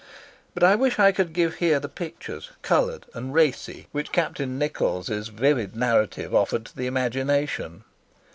But I wish I could give here the pictures, coloured and racy, which Captain Nichols' vivid narrative offered to the imagination.